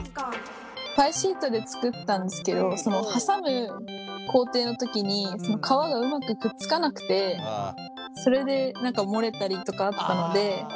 パイシートで作ったんですけど挟む工程の時に皮がうまくくっつかなくてそれで漏れたりとかあったので。